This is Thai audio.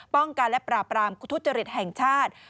ป้องกันและปราบรามทุจริตแห่งชาติ